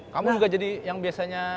kamu juga jadi yang biasanya